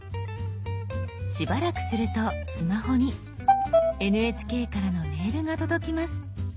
しばらくするとスマホにＮＨＫからのメールが届きます。